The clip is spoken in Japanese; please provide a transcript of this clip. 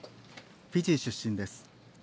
フィジー出身です。